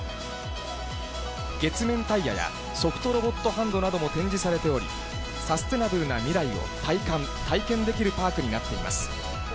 月面タイヤや、ソフトロボットハンドなども展示されており、サステナブルな未来を体感、体験できるパークになっています。